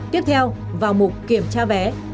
tiếp theo vào mục kiểm tra vé